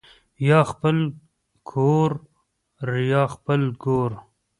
یا خپل کورریا خپل ګور